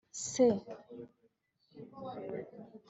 se